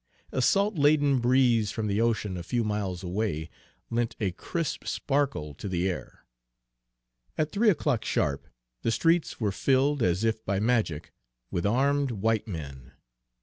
A salt laden breeze from the ocean a few miles away lent a crisp sparkle to the air. At three o'clock sharp the streets were filled, as if by magic, with armed white men.